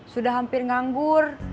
sudah hampir nganggur